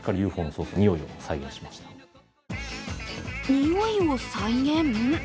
においを再現？